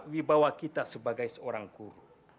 wibawa kita sebagai seorang guru